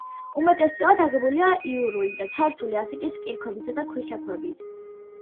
უმეტესწილად აგებულია იურული და ცარცული ასაკის კირქვებითა და ქვიშაქვებით.